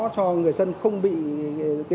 cho người dân không bị